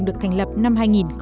được thành lập năm hai nghìn tám